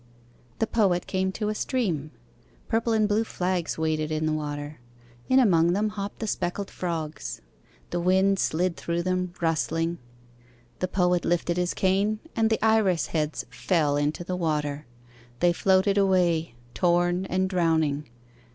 The Poet came to a stream. Purple and blue flags waded in the water; In among them hopped the speckled frogs; The wind slid through them, rustling. The Poet lifted his cane, And the iris heads fell into the water. They floated away, torn and drowning.